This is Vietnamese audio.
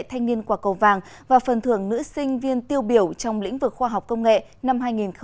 thanh niên quả cầu vàng và phần thưởng nữ sinh viên tiêu biểu trong lĩnh vực khoa học công nghệ năm hai nghìn hai mươi